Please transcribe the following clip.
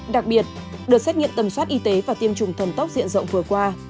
đặc biệt đợt xét nghiệm tầm soát y tế và tiêm chủng thần tốc diện rộng vừa qua